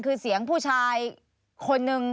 คือเสียงผู้ชายคนนึง